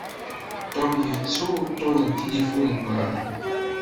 Tom yettu uṭṭun n tilifun n Mary.